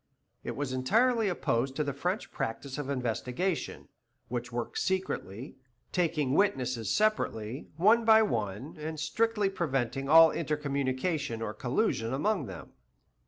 It was entirely opposed to the French practice of investigation, which works secretly, taking witnesses separately, one by one, and strictly preventing all intercommunication or collusion among them.